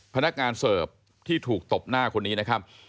พนักงานเสิร์ฟที่ถูกตบหน้าคนนี้นะครับ